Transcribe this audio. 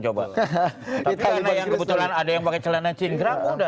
tapi karena ada yang pakai celana cinggir mudah